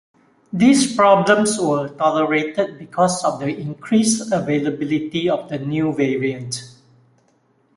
These problems were tolerated because of the increased availability of the new variant.